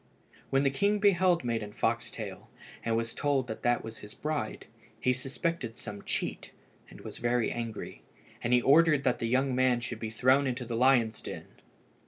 When the king beheld Maiden Foxtail, and was told that that was his bride, he suspected some cheat, and was very angry, and he ordered that the young man should be thrown into the lions' den.